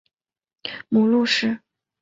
母陆氏。